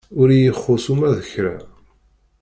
Ur iyi-ixus uma d kra.